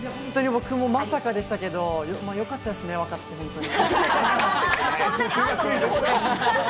僕もまさかでしたけど、よかったですね、分かって本当に。